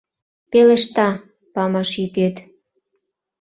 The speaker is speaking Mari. Пелешта — памаш йӱкет...